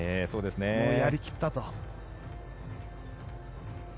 やり切ったと。